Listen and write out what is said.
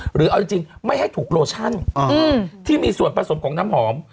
หรือเอาจริงไม่ให้ถูกโลชั่นที่มีส่วนผสมของน้ำหอม